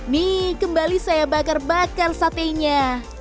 nih kembali saya bakar bakar satenya